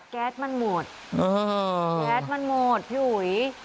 แก๊สมันหมดแก๊สมันหมดพี่อุ๋ย